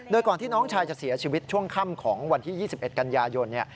โดยก่อนที่น้องชายจะเสียชีวิตช่วงค่ำของวันที่๒๑กันยายน